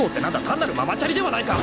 単なるママチャリではないか！］